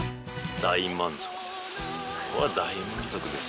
大満足です。